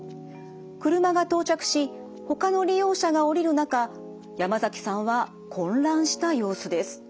車が到着しほかの利用者が降りる中山崎さんは混乱した様子です。